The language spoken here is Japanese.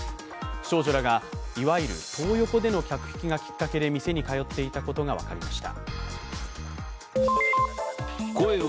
少女らがいわゆるトー横での客引きがきっかけで店に通っていたことが分かりました。